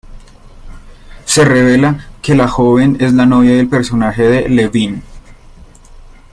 Se revela que la joven es la novia del personaje de Levine.